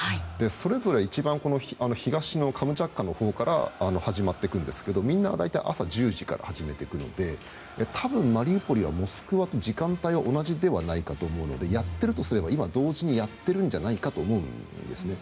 それぞれ一番東のカムチャツカのほうから始まっていくんですがみんな大体朝１０時から始めてくるので多分、マリウポリはモスクワと時間帯は同じではないかと思うのでやっているとすれば今同時にやっているんじゃないかと思うんですね。